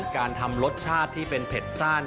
การทำรสชาติที่เป็นเผ็ดซ่าน